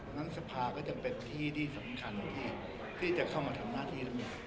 ดังนั้นสภารก็จะเป็นที่ที่สำคัญที่จะเข้ามาทำหน้าที่ลำหนอ